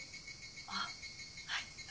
あっはい。